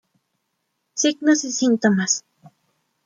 Signos y síntomas.